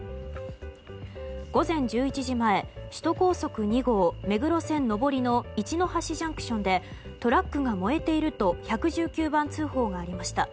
午前１１時前首都高速２号目黒線上りの一ノ橋ＪＣＴでトラックが燃えていると１１９番通報がありました。